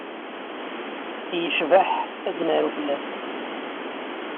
Yecbaḥ ad d-naru fell-as.